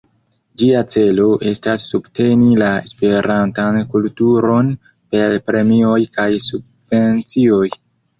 Ĝia celo estas subteni la esperantan kulturon per premioj kaj subvencioj.